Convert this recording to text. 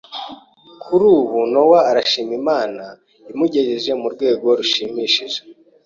Kuri ubu Nowa arashima Imana imugejeje ku rwego rushimishije